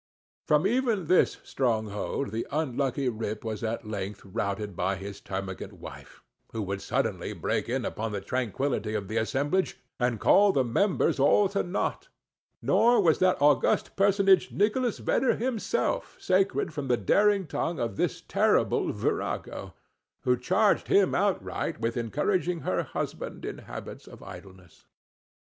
From even this stronghold the unlucky Rip was at length routed by his termagant wife, who would suddenly break in upon the tranquillity of the assemblage and call the members all to naught; nor was that august personage, Nicholas Vedder himself, sacred from the daring tongue of this terrible virago, who charged him outright with encouraging her husband in habits of idleness.